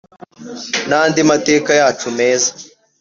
n’andi mateka yacu meza.